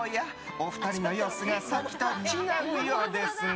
お二人の様子がさっきと違うようですが。